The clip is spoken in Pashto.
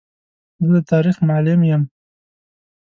زه د تاریخ معلم یم.